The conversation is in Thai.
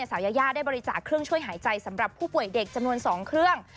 สาวยายาได้บริจาคเครื่องช่วยหายใจสำหรับผู้ป่วยเด็กจำนวน๒เครื่อง